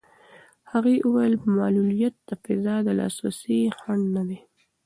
هغې وویل معلولیت د فضا د لاسرسي خنډ نه دی.